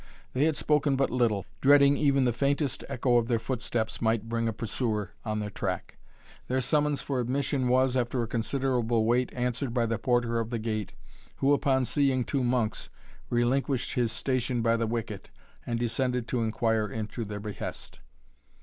They had spoken but little, dreading even the faintest echo of their footsteps might bring a pursuer on their track. Their summons for admission was, after a considerable wait, answered by the porter of the gate, who, upon seeing two monks, relinquished his station by the wicket and descended to inquire into their behest.